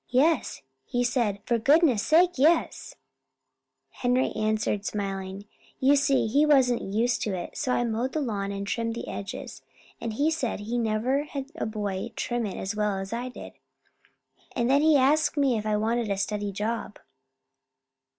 "Yes. He said, 'For goodness' sake, yes!'" Henry answered smiling. "You see, he wasn't used to it. So I mowed the lawn and trimmed the edges, and he said he never had a boy trim it as well as I did. And then he asked me if I wanted a steady job."